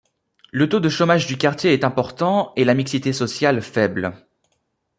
Le taux de chômage du quartier est important, et la mixité sociale faible.